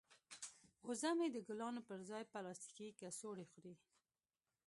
وزه مې د ګلانو پر ځای پلاستیکي کڅوړې خوري.